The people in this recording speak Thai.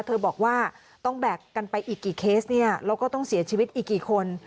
เธอบอกว่าต้องแบกกันไปอีกกี่เคสเนี่ยแล้วก็ต้องเสียชีวิตอีกกี่คน